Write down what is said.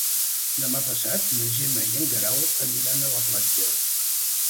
Demà passat na Gemma i en Guerau aniran a la platja.